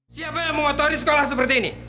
siapa yang mengotori sekolah seperti ini